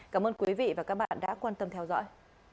cảm ơn quý vị và các bạn đã quan tâm theo dõi